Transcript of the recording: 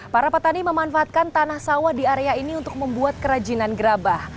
para petani memanfaatkan tanah sawah di area ini untuk membuat kerajinan gerabah